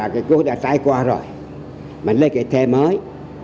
cuộc sống đã trải qua rồi mình lấy cái thê mới